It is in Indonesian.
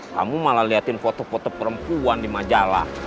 kamu malah liatin foto foto perempuan di majalah